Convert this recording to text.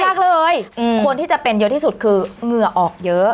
ยากเลยคนที่จะเป็นเยอะที่สุดคือเหงื่อออกเยอะ